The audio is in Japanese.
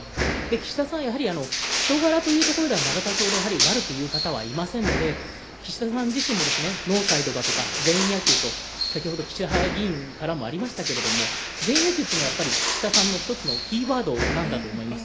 岸田さん、やはり人柄というところでは永田町で悪く言う方はおりませんので、岸田さん自身もノーサイドだとか全員野球と先ほど岸田さんからもありましたけれども、全員というのが一つのキーワードなんだと思います。